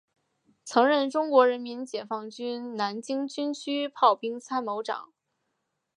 曾任中国人民解放军南京军区炮兵参谋长。